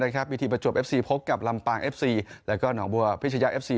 วิธีประจวบเอฟซีพบกับลำปางเอฟซีแล้วก็หนองบัวพิชยาเอฟซี